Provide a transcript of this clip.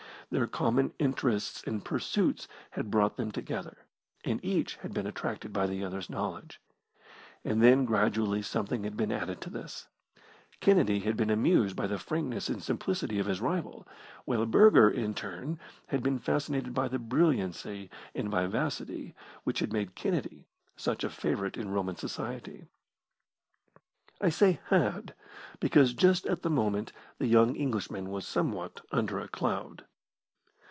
Their common interests and pursuits had brought them together, and each had been attracted by the other's knowledge. And then gradually something had been added to this. Kennedy had been amused by the frankness and simplicity of his rival, while Burger in turn had been fascinated by the brilliancy and vivacity which had made Kennedy such a favourite in Roman society. I say "had," because just at the moment the young Englishman was somewhat under a cloud.